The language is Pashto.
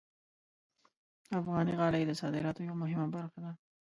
افغاني غالۍ د صادراتو یوه مهمه برخه ده.